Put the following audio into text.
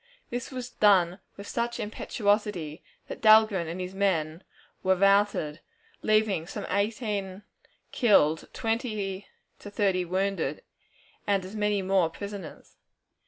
This was done with such impetuosity that Dahlgren and his men wore routed, leaving some eighteen killed, twenty to thirty wounded, and as many more prisoners.